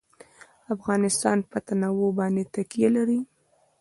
افغانستان په تنوع باندې تکیه لري.